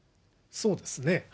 そうですね。